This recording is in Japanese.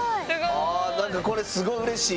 あ何かこれすごいうれしい。